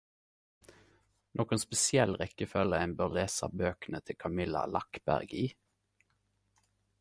Nokon spesiell rekkefølge ein bør lese bøkene til Camilla Lackberg i?